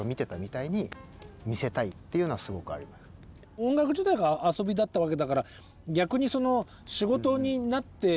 音楽自体が遊びだったわけだから逆に仕事になっている